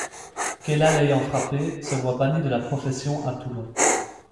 Kella l'ayant frappé se voit banni de la profession à Toulon.